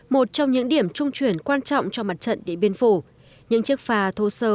một trong những điểm trung chuyển quan trọng cho mặt trận điện biên phủ những chiếc phà thô sơ